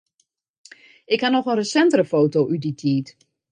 Ik haw noch in resintere foto út dy tiid.